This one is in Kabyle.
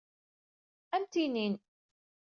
Ad am-t-inin.